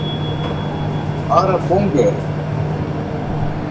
Araponga